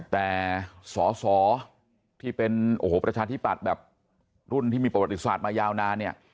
แต่สอสอที่เป็นโอ้โหประชาธิปัตย์แบบรุ่นที่มีประวัติศาสตร์มายาวนานเนี่ย